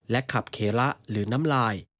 ขับเคระหรือน้ำลาย